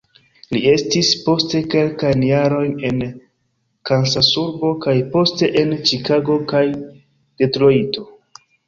Li estis poste kelkajn jarojn en Kansasurbo kaj poste en Ĉikago kaj Detrojto.